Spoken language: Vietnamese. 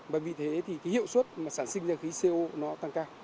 và vì thế thì cái hiệu suất mà sản sinh ra khí co nó tăng cao